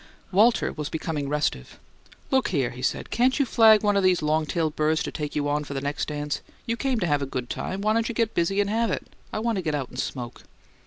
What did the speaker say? Walter was becoming restive. "Look here!" he said. "Can't you flag one o' these long tailed birds to take you on for the next dance? You came to have a good time; why don't you get busy and have it? I want to get out and smoke."